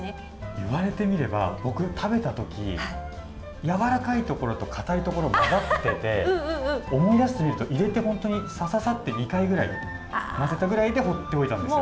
言われてみれば僕、食べたときやわらかいところと固いところが混ざっていて思い出してみると入れてさささっと２回くらい混ぜたくらいで放っておいたんですよ。